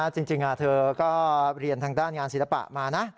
จริงเธอก็เรียนทางด้านงานศิลปะมานะ